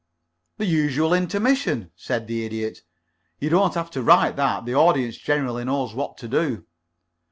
"The usual intermission," said the Idiot. "You don't have to write that. The audience generally knows what to do."